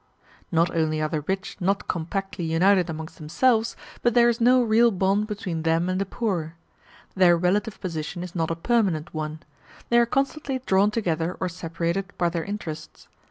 Not only are the rich not compactly united amongst themselves, but there is no real bond between them and the poor. Their relative position is not a permanent one; they are constantly drawn together or separated by their interests.